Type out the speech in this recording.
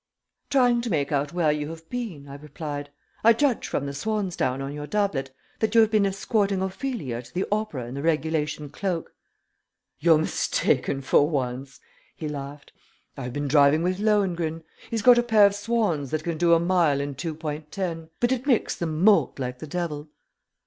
"Trying to make out where you have been," I replied. "I judge from the swan's down on your doublet that you have been escorting Ophelia to the opera in the regulation cloak." "You're mistaken for once," he laughed. "I've been driving with Lohengrin. He's got a pair of swans that can do a mile in 2.10 but it makes them moult like the devil."